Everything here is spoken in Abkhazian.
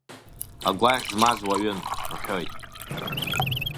Агәаӷь змаз уаҩын, — рҳәоит…